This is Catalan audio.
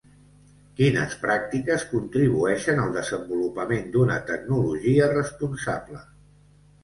Quines pràctiques contribueixen al desenvolupament d'una tecnologia responsable?